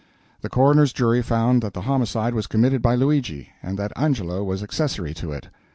The coroner's jury found that the homicide was committed by Luigi, and that Angelo was accessory to it.